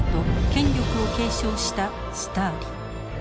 権力を継承したスターリン。